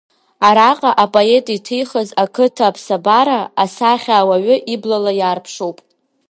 Араҟа апоет иҭихыз ақыҭа аԥсабара асахьа ауаҩы иблала иаарԥшуп.